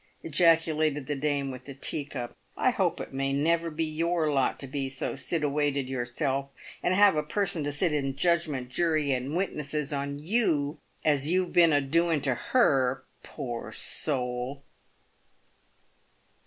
ejaculated the dame with the tea cup ;" I hope it may never be your lot to be so sittewated yourself, and have a person to sit in judgment, jury and witnesses, on you, as you've been a doing to her, poor soul."